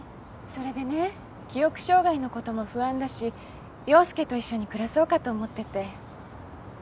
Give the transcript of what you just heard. それでね記憶障害のことも不安だし陽佑と一緒に暮らそうかと思ってて。